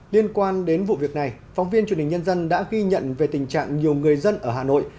liên quan đến vụ việc này phóng viên truyền hình nhân dân đã ghi nhận về tình trạng nhiều người dân ở hà nội